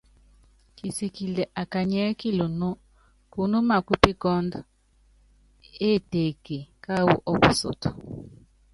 Kisikili á kanyiɛ́ kilunú, kunúmá kúpikɔ́ndɔ éteke káwu ɔ́kusɔ́tɔ.